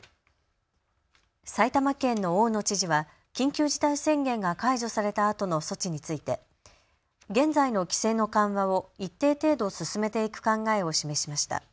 埼玉県の大野知事は緊急事態宣言が解除されたあとの措置について現在の規制の緩和を一定程度進めていく考えを示しました。